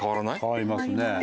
変わります。